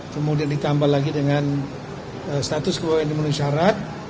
kemudian ditambah lagi dengan status keluarga yang memenuhi syarat